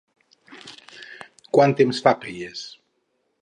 Quant temps fa que hi és?